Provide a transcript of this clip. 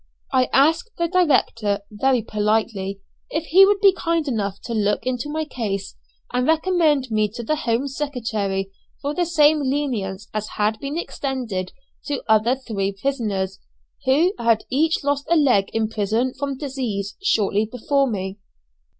I asked the director, very politely, if he would be kind enough to look into my case, and recommend me to the Home Secretary for the same leniency as had been extended to other three prisoners, who had each lost a leg in prison from disease, shortly before me.